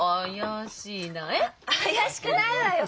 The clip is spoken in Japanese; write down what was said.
怪しくないわよ。